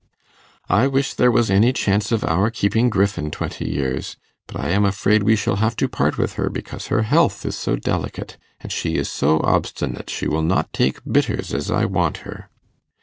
'I wish there was any chance of our keeping Griffin twenty years. But I am afraid we shall have to part with her because her health is so delicate; and she is so obstinate, she will not take bitters as I want her.